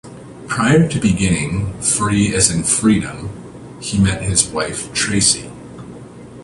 Prior to beginning "Free as in Freedom" he met his wife Tracy.